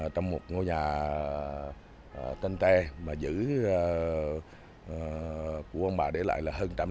trong một ngôi nhà trên tre mà giữ của ông bà để lại là hơn trăm triệu